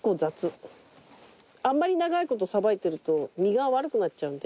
あんまり長い事さばいてると身が悪くなっちゃうんで。